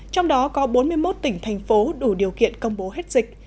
trong đó có bốn mươi một tỉnh thành phố đủ điều kiện công bố hết dịch